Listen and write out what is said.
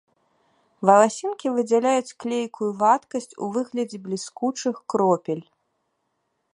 Валасінкі выдзяляюць клейкую вадкасць у выглядзе бліскучых кропель.